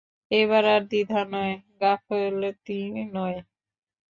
এবার আর দ্বিধা নয়, গাফিলতি নয়।